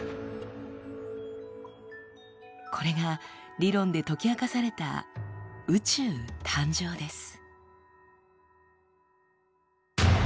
これが理論で解き明かされた宇宙誕生です。